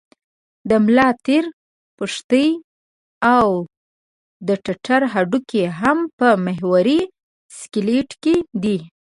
د ملا تیر، پښتۍ او د ټټر هډوکي هم په محوري سکلېټ کې دي.